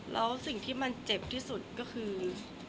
แล้วสิ่งที่มันเจ็บที่สุดก็คือ